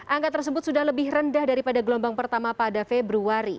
angka tersebut sudah lebih rendah daripada gelombang pertama pada februari